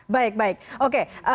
baik baik oke